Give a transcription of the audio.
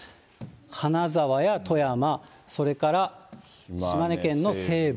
金沢や富山、それから島根県の西部。